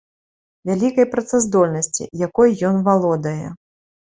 Вялікай працаздольнасці, якой ён валодае.